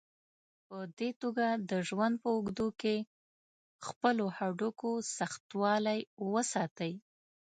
په دې توګه د ژوند په اوږدو کې خپلو هډوکو سختوالی وساتئ.